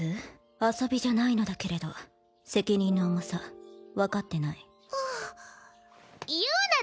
遊びじゃないのだけれど責任の重さ分かってないあぁ友奈だ